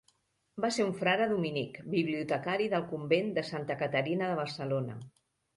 Va ser un frare dominic, bibliotecari del convent de Santa Caterina de Barcelona.